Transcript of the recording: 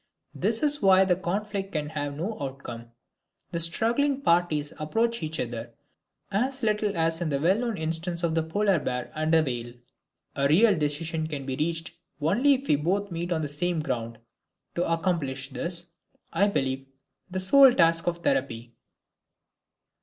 That is why the conflict can have no outcome; the struggling parties approach each other as little as in the well known instance of the polar bear and the whale. A real decision can be reached only if both meet on the same ground. To accomplish this is, I believe, the sole task of therapy.